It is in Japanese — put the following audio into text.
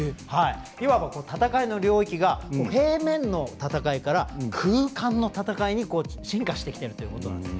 いわば戦いの領域が平面の戦いから、空間の戦いに進化してきているということなんです。